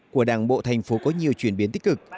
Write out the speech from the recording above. của đảng bộ thành phố có nhiều chuyển biến tích cực